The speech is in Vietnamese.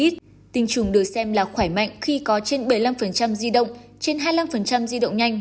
tinh trùng được xem là khỏe mạnh khi có trên bảy mươi năm di động trên hai mươi năm di động nhanh